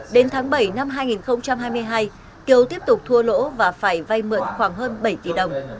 đến tháng bảy năm hai nghìn hai mươi hai kiều tiếp tục thua lỗ và phải vay mượn khoảng hơn bảy tỷ đồng